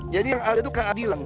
jadi yang ada itu keadilan